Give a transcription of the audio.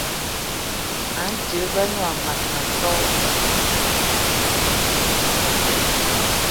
A nti bebela na wa mas ma tó?